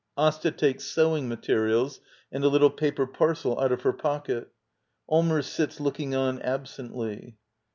[Asta takes sewing materials and a little paper parcel out of her pocket Allmers sits looking on absently.